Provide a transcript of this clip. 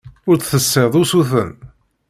Ur d-tessiḍ usuten.